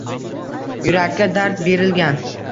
Yurakka dard berilgan